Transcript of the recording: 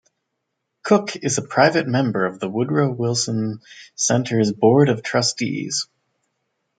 Cook is a private member of the Woodrow Wilson Center's Board of Trustees.